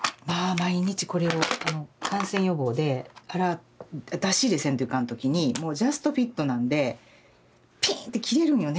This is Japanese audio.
毎日これを感染予防で出し入れせんといかん時にジャストフィットなんでピーンって切れるんよね。